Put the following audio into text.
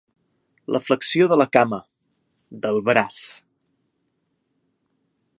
La flexió de la cama, del braç.